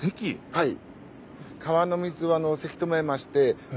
はい。